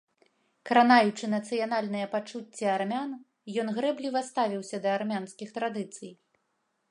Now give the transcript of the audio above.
Кранаючы нацыянальныя пачуцці армян, ён грэбліва ставіўся да армянскіх традыцый.